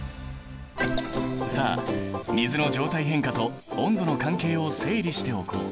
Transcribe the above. さあ水の状態変化と温度の関係を整理しておこう。